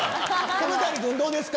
染谷君どうですか？